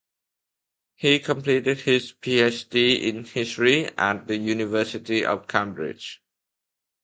He completed his PhD in history at the University of Cambridge.